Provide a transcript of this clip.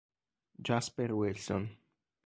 Jasper Wilson